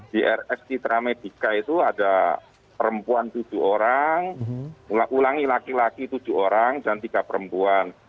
di rs citra medica itu ada perempuan tujuh orang ulangi laki laki tujuh orang dan tiga perempuan